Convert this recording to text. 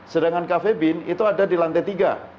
sedangkan cafe bean itu ada di lantai tiga